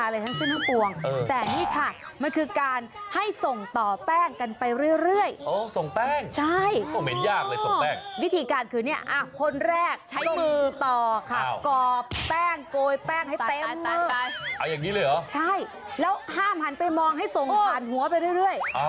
แล้วห้ามหันไปมองให้ส่งหันหัวไปเรื่อย